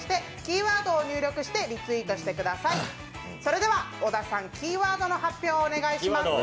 それでは小田さん、キーワードの発表をお願いします。